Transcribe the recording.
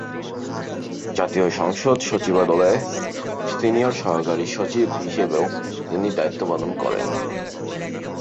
জাতীয় সংসদ সচিবালয়ে সিনিয়র সহকারী সচিব হিসেবেও তিনি দায়িত্ব পালন করেন।